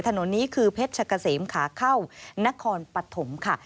ถนนนี้คือเพชรชะกะเสมขาเข้านครปฐมค่ะ